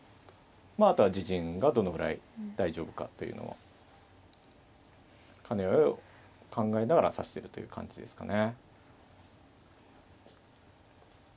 あとは自陣がどのぐらい大丈夫かというのを兼ね合いを考えながら指してるという感じですかね。